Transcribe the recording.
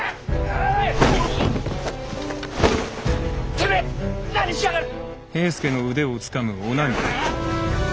てめえ何しやがる！？